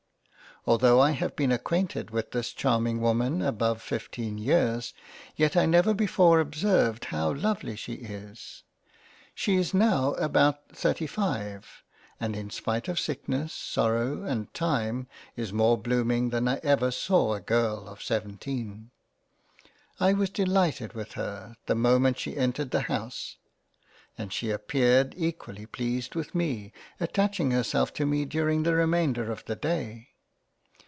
Although I have been acquainted with this charming Woman above fifteen Years, yet I never before observed how lovely she is. She is now about 35, and in spite of sickness, sorrow and Time is more blooming than I ever saw a Girl of 1 7. I was delighted with her, the moment she entered the house, and she appeared equally pleased with me, attaching herself to me during the remainder of the day.